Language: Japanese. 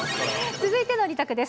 続いての２択です。